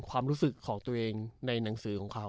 ความรู้สึกของตัวเองในหนังสือของเขา